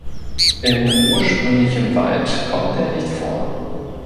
In ursprünglichem Wald kommt er nicht vor.